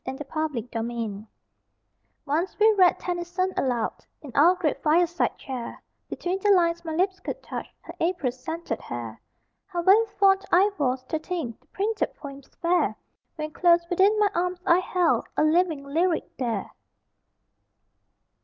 READING ALOUD Once we read Tennyson aloud In our great fireside chair; Between the lines, my lips could touch Her April scented hair. How very fond I was, to think The printed poems fair, When close within my arms I held A living lyric there!